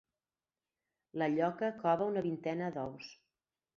La lloca cova una vintena d'ous.